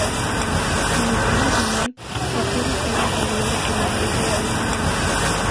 En su tramo final su curso está regulado por la presa de Alange.